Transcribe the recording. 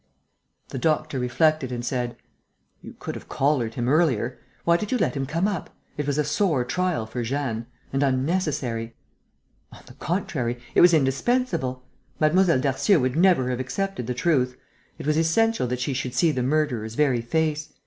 The doctor reflected and said: "You could have collared him earlier. Why did you let him come up? It was a sore trial for Jeanne ... and unnecessary." "On the contrary, it was indispensable! Mlle. Darcieux would never have accepted the truth. It was essential that she should see the murderer's very face.